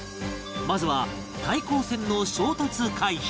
まずは対向船の衝突回避